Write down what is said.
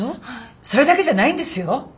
それだけじゃないんですよ。